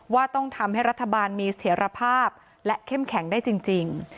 ว่าต้องทำให้รัฐบาลมีเสถียรภาพและเข้มแข็งได้จริง